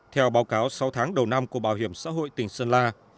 theo báo cáo sáu tháng đầu năm của bảo hiểm xã hội tỉnh sơn la